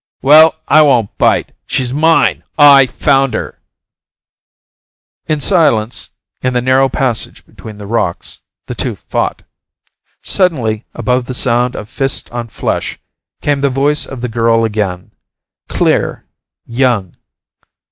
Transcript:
"Well, I won't bite! She's mine! I found her!" In silence, in the narrow passage between the rocks, the two fought. Suddenly, above the sound of fist on flesh, came the voice of the girl again, clear, young.